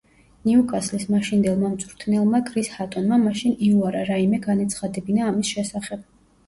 ნიუკასლის მაშინდელმა მწვრთნელმა კრის ჰატონმა მაშინ იუარა რაიმე განეცხადებინა ამის შესახებ.